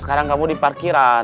sekarang kamu di parkiran